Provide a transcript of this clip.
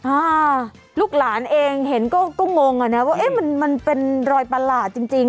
อ่าลูกหลานเองเห็นก็งงอ่ะนะว่าเอ๊ะมันมันเป็นรอยประหลาดจริงจริง